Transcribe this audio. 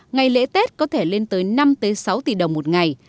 ngày lễ tết có thể lên tới năm sáu tỷ đồng một ngày